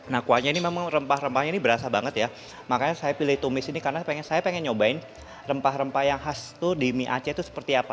nah kuahnya ini memang rempah rempahnya ini berasa banget ya makanya saya pilih tumis ini karena saya pengen nyobain rempah rempah yang khas itu di mie aceh itu seperti apa